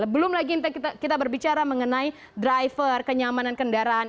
belum lagi kita berbicara mengenai driver kenyamanan kendaraan